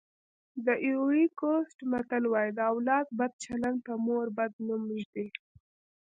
د ایوُري کوسټ متل وایي د اولاد بد چلند په مور بد نوم ږدي.